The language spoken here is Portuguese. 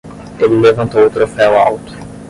Ele levantou o troféu alto.